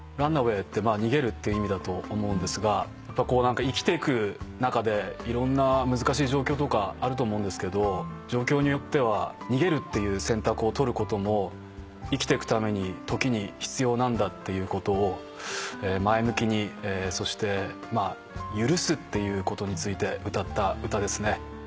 『Ｒｕｎａｗａｙ』って逃げるって意味だと思うんですが何か生きていく中でいろんな難しい状況とかあると思うんですけど状況によっては逃げるっていう選択を取ることも生きていくために時に必要なんだっていうことを前向きにそして許すっていうことについて歌った歌ですね。